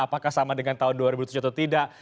apakah sama dengan tahun dua ribu tujuh atau tidak